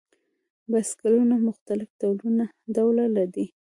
بایسکلونه مختلف ډوله دي.